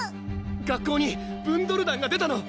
学校にブンドル団が出たの！